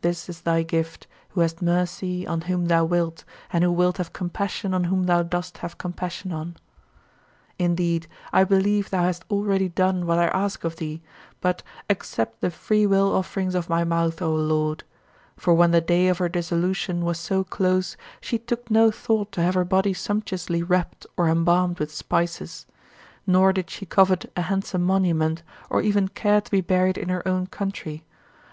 This is thy gift, who hast mercy on whom thou wilt and who wilt have compassion on whom thou dost have compassion on. 36. Indeed, I believe thou hast already done what I ask of thee, but "accept the freewill offerings of my mouth, O Lord." For when the day of her dissolution was so close, she took no thought to have her body sumptuously wrapped or embalmed with spices. Nor did she covet a handsome monument, or even care to be buried in her own country.